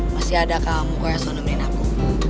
masih ada kamu kurang senang nemenin aku